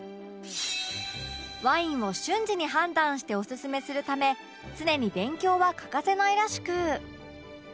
ワインを瞬時に判断してオススメするため常に勉強は欠かせないらしく